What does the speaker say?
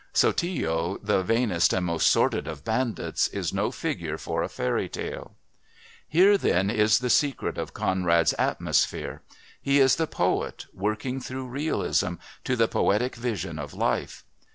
Sotillo, the vainest and most sordid of bandits, is no figure for a fairy story. Here, then, is the secret of Conrad's atmosphere. He is the poet, working through realism, to the poetic vision of life.